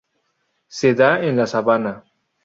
Se da en la sabana.